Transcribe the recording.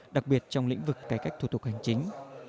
đặc biệt trong lĩnh vực cải cách thu thục hành chính